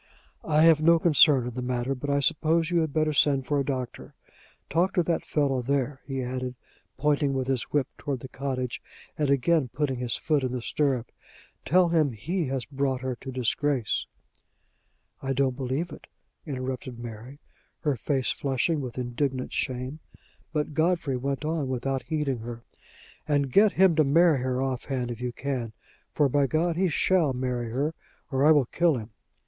"I have no concern in the matter, but I suppose you had better send for a doctor. Talk to that fellow there," he added, pointing with his whip toward the cottage, and again putting his foot in the stirrup. "Tell him he has brought her to disgrace " "I don't believe it," interrupted Mary, her face flushing with indignant shame. But Godfrey went on without heeding her: "And get him to marry her off hand, if you can for, by God! he shall marry her, or I will kill him."